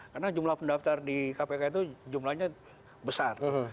karena jumlah pendaftar di kpk itu jumlahnya besar